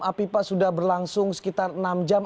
api pak sudah berlangsung sekitar enam jam